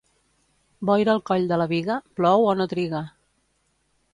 Boira al coll de la Biga, plou, o no triga.